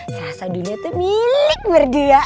salah satu dunia tuh milik berdua